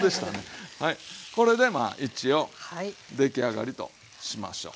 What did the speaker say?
これでまあ一応出来上がりとしましょう。